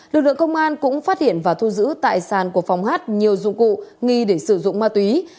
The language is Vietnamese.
lực lượng công an cũng phát hiện và thu giữ tại sàn của phòng hát nhiều dụng cụ nghi để sử dụng ma túy